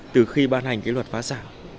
từ khi ban hành cái luật phá sản